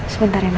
sebentar ya mir